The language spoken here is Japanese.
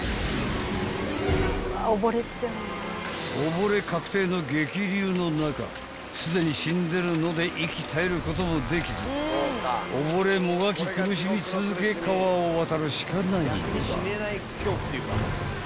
［溺れ確定の激流の中すでに死んでるので息絶えることもできず溺れもがき苦しみ続け川を渡るしかないのだ］